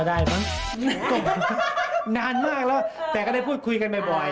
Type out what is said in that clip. ได้มั้งก็นานมากแล้วแต่ก็ได้พูดคุยกันบ่อย